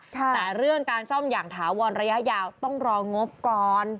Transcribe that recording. แต่เรื่องการซ่อมอย่างถาวรระยะยาวต้องรองบก่อน